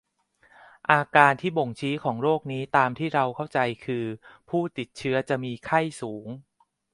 อาการที่บ่งชี้ของโรคนี้ตามที่เราเข้าใจคือผู้ติดเชื้อจะมีไข้สูง